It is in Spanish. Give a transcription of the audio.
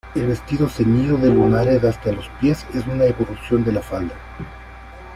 El vestido ceñido de lunares hasta los pies, es una evolución de la falda.